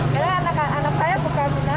selama diperlu dalam rumah